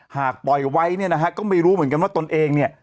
หากปล่อยไว้เนี่ยนะฮะก็ไม่รู้เหมือนกันว่าตนเองเนี่ย